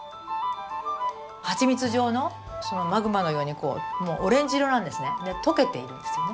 蜂蜜状のマグマのようにオレンジ色なんですね。で溶けているんですよね。